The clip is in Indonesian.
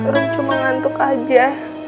rum cuma ngantuk aja